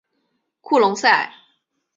库隆塞。